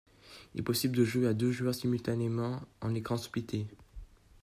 Il est possible de jouer à deux joueurs simultanément, en écran splité.